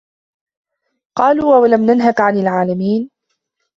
قَالُوا أَوَلَمْ نَنْهَكَ عَنِ الْعَالَمِينَ